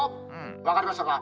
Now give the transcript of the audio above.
わかりましたか？